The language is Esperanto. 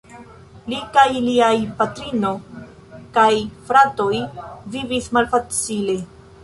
Li kaj liaj patrino kaj fratoj vivis malfacile.